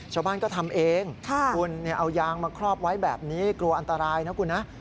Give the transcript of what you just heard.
ชาวบ้านก็ทำเองคุณเอายางมาครอบไว้แบบนี้กลัวอันตรายนะคุณนะ